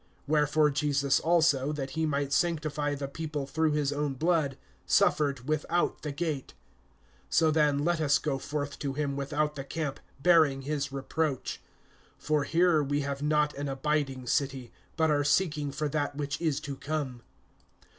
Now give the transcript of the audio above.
(12)Wherefore Jesus also, that he might sanctify the people through his own blood, suffered without the gate. (13)So then, let us go forth to him without the camp, bearing his reproach. (14)For here we have not an abiding city, but are seeking for that which is to come.